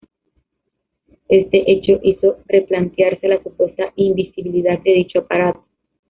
Este hecho hizo replantearse la supuesta invisibilidad de dicho aparato.